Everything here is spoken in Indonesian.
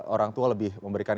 orang tua lebih memberikan